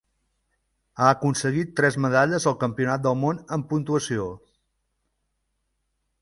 Ha aconseguit tres medalles al Campionat del món en puntuació.